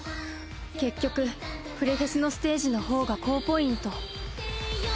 結局フレフェスのステージのほうが高ポイント。